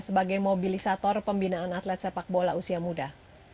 sebagai mobilisator pembinaan atlet sepak bola usia muda